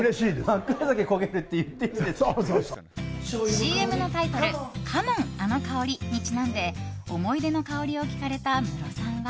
ＣＭのタイトル「カモンあの香り」にちなんで思い出の香りを聞かれたムロさんは。